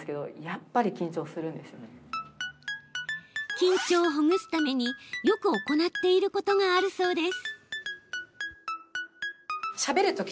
緊張をほぐすためによく行っていることがあるそうです。